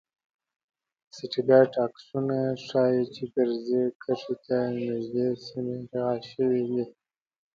د سټلایټ عکسونه ښايی چې فرضي کرښې ته نږدې سیمې اشغال شوي دي